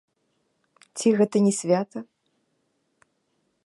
Ці гэта не свята?